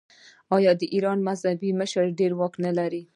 آیا د ایران مذهبي مشر ډیر واک نلري؟